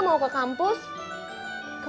mbak mojak lo mau ga